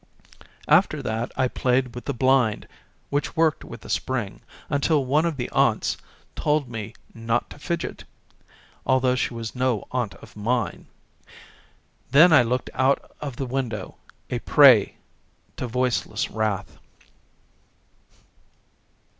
After that I played with the blind, which worked with a spring, until one of the aunts told me not to fidget, although she was no A RAILWAY JOURNEY 11 aunt of mine. Then I looked out of the window, a prey to voiceless wrath.